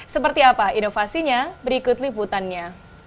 seperti apa inovasinya berikut liputannya